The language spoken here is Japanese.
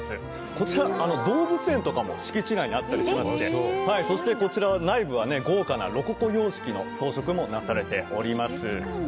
こちら動物園とかも敷地内にあったりしましてそしてこちらの内部は豪華なロココ様式の装飾もなされております